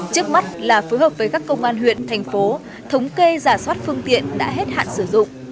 trước mắt là phối hợp với các công an huyện thành phố thống kê giả soát phương tiện đã hết hạn sử dụng